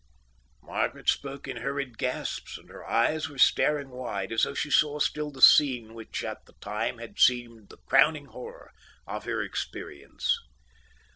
Margaret spoke in hurried gasps, and her eyes were staring wide, as though she saw still the scene which at the time had seemed the crowning horror of her experience.